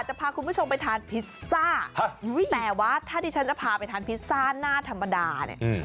จะพาคุณผู้ชมไปทานพิซซ่า